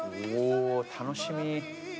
お楽しみ。